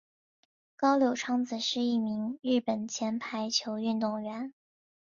高柳昌子是一名日本前排球运动员。